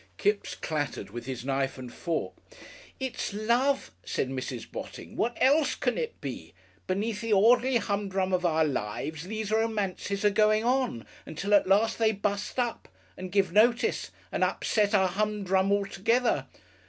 Kipps clattered with his knife and fork. "It's love," said Mrs. Botting; "what else can it be? Beneath the orderly humdrum of our lives these romances are going on, until at last they bust up and give Notice and upset our humdrum altogether.